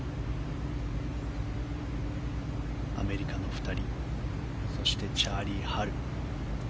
アメリカの２人そしてチャーリー・ハル。